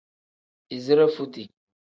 Izire futi.